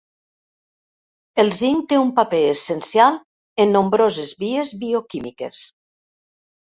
El zinc té un paper essencial en nombroses vies bioquímiques.